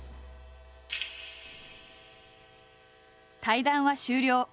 対談は終了。